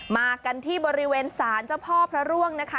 มากันที่บริเวณศาลเจ้าพ่อพระร่วงนะคะ